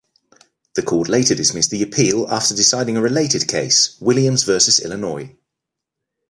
The Court later dismissed the appeal after deciding a related case, Williams versus Illinois.